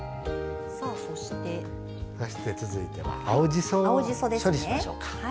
続いては青じそを処理しましょうか。